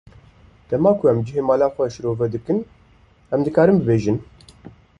Dema ku em cihê mala xwe şîrove dikin, em dikarin bibêjin.